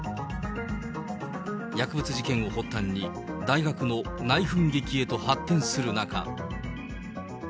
薬物事件を発端に、大学の内紛劇へと発展する中。